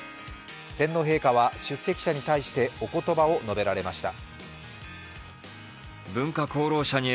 天皇陛下は出席者に対しておことばを述べられました。